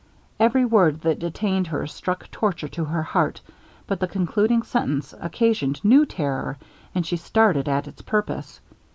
Every word that detained her struck torture to her heart, but the concluding sentence occasioned new terror, and she started at its purpose.